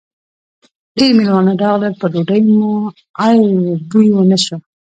ډېر مېلمانه راغلل؛ په ډوډۍ مو ای و بوی و نه شو.